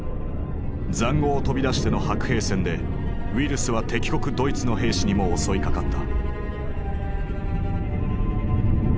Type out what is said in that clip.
塹壕を飛び出しての白兵戦でウイルスは敵国ドイツの兵士にも襲いかかった。